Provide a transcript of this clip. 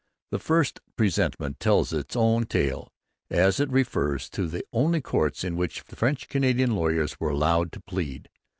The first presentment tells its own tale, as it refers to the only courts in which French Canadian lawyers were allowed to plead.